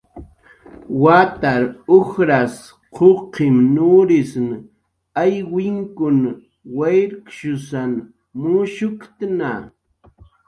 Watar ujras quqim nurisn aywinkun wayrkshusan mushuktna